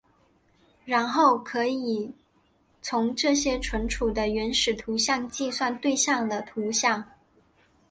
然后可以从这些存储的原始图像计算对象的图像。